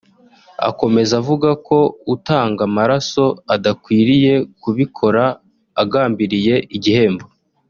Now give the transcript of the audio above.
Akomeza avuga ko utanga amaraso adakwiriye kubikora agambiriye igihembo